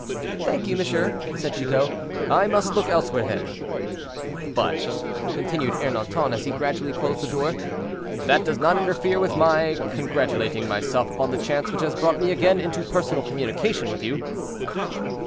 "Thank you, monsieur," said Chicot, "I must look elsewhere, then." "But," continued Ernanton, as he gradually closed the door, "that does not interfere with my congratulating myself upon the chance which has brought me again into personal communication with you."